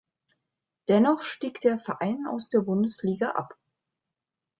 Dennoch stieg der Verein aus der Bundesliga ab.